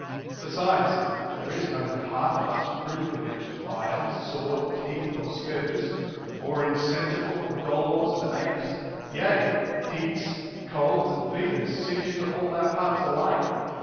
Besides, there is no part of us proof against fire, sword, teeth, or scourges, or insensible of dolors and aches ; yea, heats, colds, and fevers sink into all our parts alike.